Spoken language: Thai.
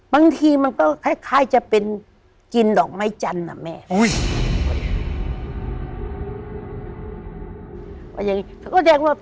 บางทีมันก็คล้ายจะเป็นกินดอกไม้จันทร์นะแม่